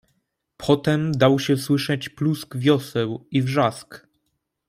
"Potem dał się słyszeć plusk wioseł i wrzask."